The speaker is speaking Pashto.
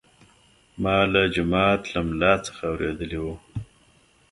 ما له جومات له ملا څخه اورېدلي وو.